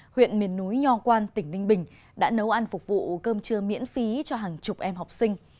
huyện miền núi nho quan tỉnh ninh bình đã nấu ăn phục vụ cơm trưa miễn phí cho hàng chục em học sinh